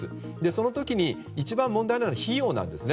その時に一番問題なのは費用なんです。